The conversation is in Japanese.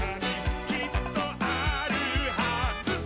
「きっとあるはずさ」